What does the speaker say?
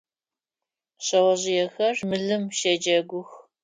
Шъэожъыехэр мылым щэджэгух.